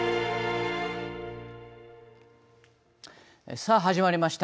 さあ始まりました。